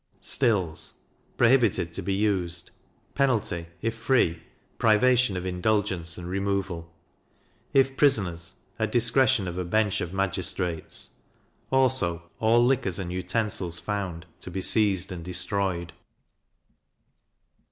Stills prohibited to be used; penalty, if free, privation of indulgence and removal; if prisoners, at discretion of a bench of magistrates: Also all liquors and utensils found, to be seized and destroyed.